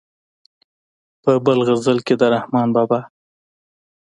په بل غزل کې د رحمان بابا.